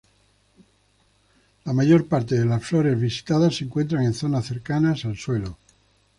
La mayor parte de las flores visitadas se encuentran en zonas cercanas al suelo.